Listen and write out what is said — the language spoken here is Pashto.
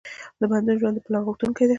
د پوهنتون ژوند د پلان غوښتونکی دی.